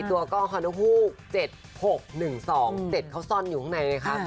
ตัวกล้องฮฮ๗๖๑๒เจ็ดเขาซ่อนอยู่ข้างในนะคะ